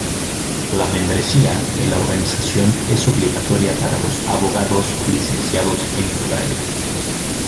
La membresía en la organización es obligatoria para los abogados licenciados en Israel.